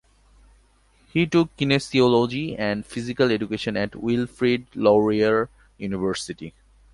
He took Kinesiology and Physical education at Wilfrid Laurier University.